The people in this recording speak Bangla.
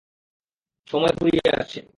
সময় ফুরিয়ে আসছে!